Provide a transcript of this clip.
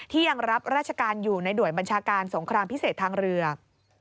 ยังรับราชการอยู่ในหน่วยบัญชาการสงครามพิเศษทางเรือ